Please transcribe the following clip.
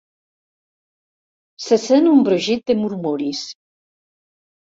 Se sent un brogit de murmuris.